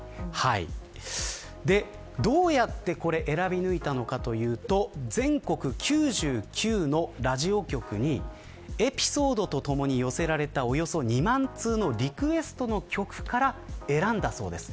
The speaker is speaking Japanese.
どうやって選び抜いたのかというと全国９９のラジオ局にエピソードと共に寄せられたおよそ２万通のリクエストの曲から選んだそうです。